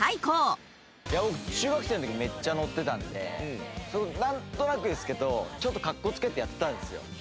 僕中学生の時めっちゃ乗ってたんでなんとなくですけどちょっとかっこつけてやってたんですよ。